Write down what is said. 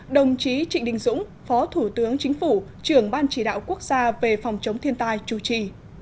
đồng chí trịnh đình dũng phó thủ tướng chính phủ trưởng ban chỉ đạo quốc gia về phòng chống thiên tai chủ trì